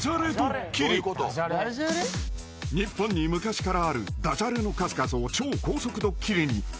［日本に昔からあるダジャレの数々を超高速ドッキリに］